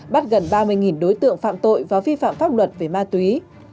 bắt gần ba mươi đối tượng phạm tội và vi phạm pháp luật về ma túy